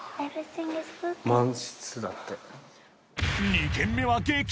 ［２軒目は］